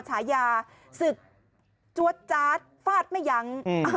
ฉายาศึกจั๊วจั๊ดฟาดไม่ยัง